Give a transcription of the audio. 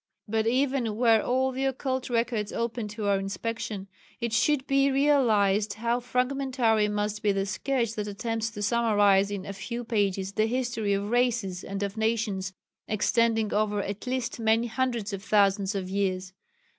But even were all the occult records open to our inspection, it should be realized how fragmentary must be the sketch that attempts to summarize in a few pages the history of races and of nations extending over at least many hundreds of thousands of years.